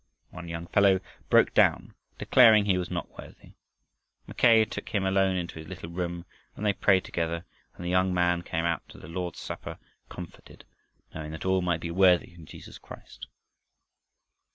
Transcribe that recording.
One young fellow broke down, declaring he was not worthy. Mackay took him alone into his little room and they prayed together, and the young man came out to the Lord's Supper comforted, knowing that all might be worthy in Jesus Christ.